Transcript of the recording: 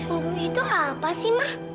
oh itu apa sih ma